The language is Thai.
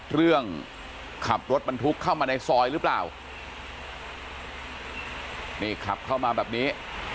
เรื่องขับรถบรรทุกเข้ามาในซอยหรือเปล่านี่ขับเข้ามาแบบนี้